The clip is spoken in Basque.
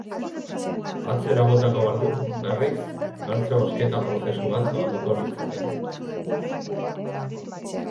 Atzera botako balu, berriz, beste bozketa prozesu bat zabalduko litzateke.